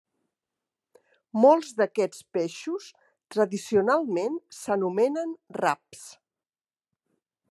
Molts d'aquests peixos tradicionalment s'anomenen raps.